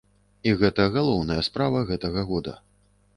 І гэта галоўная справа гэтага года.